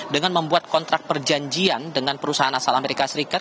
dengan membuat kontrak perjanjian dengan perusahaan asal amerika serikat